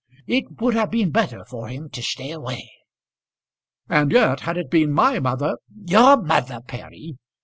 It would have been better for him to stay away." "And yet had it been my mother " "Your mother, Perry!